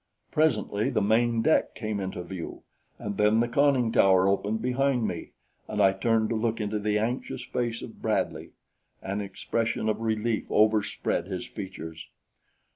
Presently the main deck came into view, and then the conning tower opened behind me, and I turned to look into the anxious face of Bradley. An expression of relief overspread his features.